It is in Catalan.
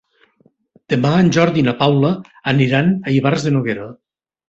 Demà en Jordi i na Paula aniran a Ivars de Noguera.